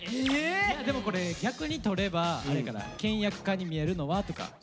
でもこれ逆にとればあれかな「倹約家に見えるのは？」とか。